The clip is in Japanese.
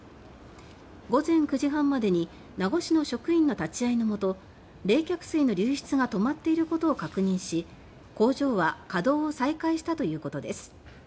午前９時半までに名護市の職員の立ち合いのもと冷却水の流出が止まっていることを確認し工場は稼働を再開したということです。